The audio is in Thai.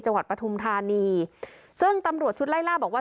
ปฐุมธานีซึ่งตำรวจชุดไล่ล่าบอกว่า